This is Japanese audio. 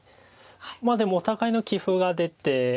まあでもお互いの棋風が出て。